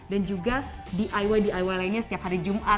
dan juga diy diy lainnya setiap hari jumat